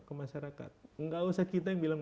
ke masyarakat nggak usah kita yang bilang